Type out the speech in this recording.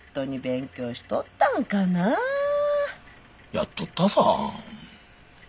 やっとったさ。